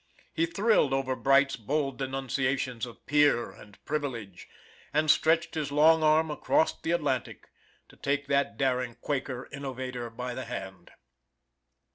He thrilled over Bright's bold denunciations of peer and "Privilege," and stretched his long arm across the Atlantic to take that daring Quaker innovator by the hand.